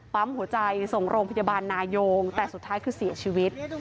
ปั๊มหัวใจส่งโรงพยาบาลนายงแต่สุดท้ายคือเสียชีวิต